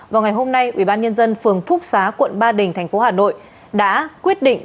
vào ngày hôm nay ubnd phường phúc xá quận ba đình tp hà nội đã quyết định